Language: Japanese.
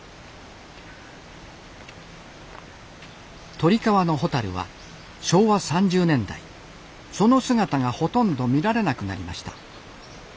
鳥川のホタルは昭和３０年代その姿がほとんど見られなくなりました。